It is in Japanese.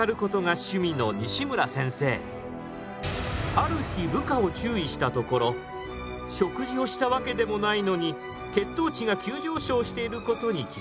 ある日部下を注意したところ食事をしたわけでもないのに血糖値が急上昇していることに気付きました。